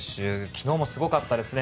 昨日もすごかったですね。